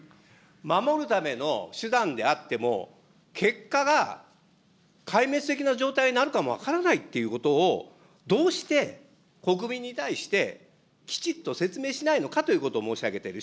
守るための手段であっても、結果が壊滅的な状態になるかも分からないということを、どうして国民に対して、きちっと説明しないのかということを申し上げている。